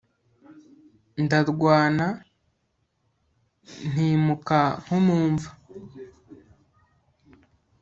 Ndarwana ntimuka nko mu mva